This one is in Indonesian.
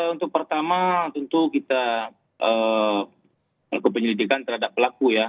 untuk pertama tentu kita lakukan penyelidikan terhadap pelaku ya